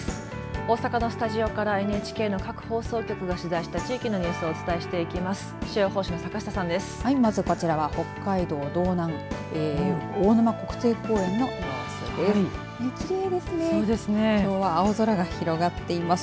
大阪のスタジオからＮＨＫの各放送局が取材した地域のニュースをお伝えてしていきます。